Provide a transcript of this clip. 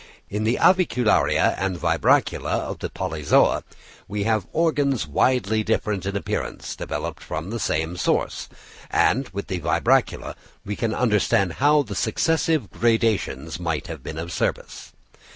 In the avicularia and vibracula of the Polyzoa we have organs widely different in appearance developed from the same source; and with the vibracula we can understand how the successive gradations might have been of service.